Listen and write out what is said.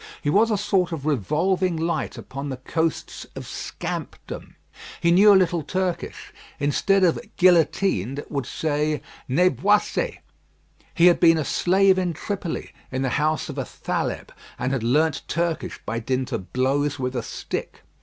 He was a sort of revolving light upon the coasts of scampdom. He knew a little Turkish: instead of "guillotined," would say "néboïssé." He had been a slave in Tripoli, in the house of a Thaleb, and had learnt Turkish by dint of blows with a stick.